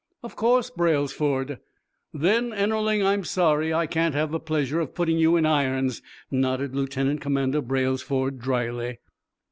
"Of course, Braylesford." "Then, Ennerling, I'm sorry I can't have the pleasure of putting you in irons," nodded Lieutenant Commander Braylesford, dryly.